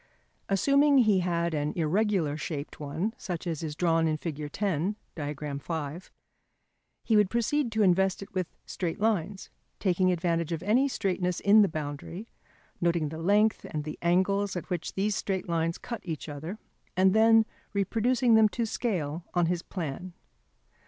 Assuming he had an irregular shaped one, such as is drawn in Fig. X, page 87 [Transcribers Note: Diagram IV], he would proceed to invest it with straight lines, taking advantage of any straightness in the boundary, noting the length and the angles at which these straight lines cut each other, and then reproducing them to scale on his plan.